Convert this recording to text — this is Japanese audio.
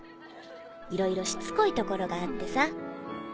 いろいろしつこいところがあってさ。